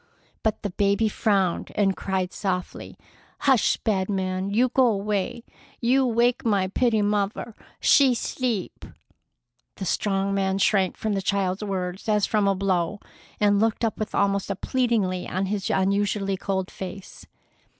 But the baby frowned and cried softly: "Hush, bad man! You go away! You wake my pitty muvver! She's 's'eep!" The strong man shrank from the child's words as from a blow, and looked up with almost a pleading on his usually cold face.